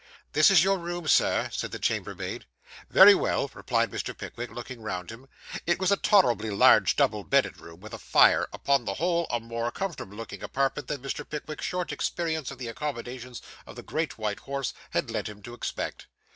'This is your room, sir,' said the chambermaid. 'Very well,' replied Mr. Pickwick, looking round him. It was a tolerably large double bedded room, with a fire; upon the whole, a more comfortable looking apartment than Mr. Pickwick's short experience of the accommodations of the Great White Horse had led him to expect.